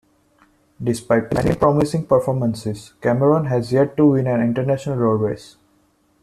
Despite many promising performances, Cameron has yet to win an International road race.